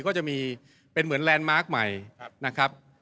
ก็จะมีเป็นเหมือนแลนด์มาร์คใหม่นะครับ